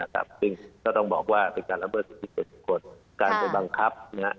ก็ต้องบอกว่าเป็นการระเบิดปิดปิดกฎการไปบังคับ